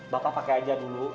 bapak pakai aja dulu